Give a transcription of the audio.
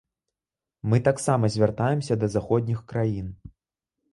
Мы таксама звяртаемся да заходніх краін.